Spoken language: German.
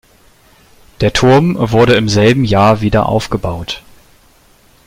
Der Turm wurde im selben Jahr wieder aufgebaut.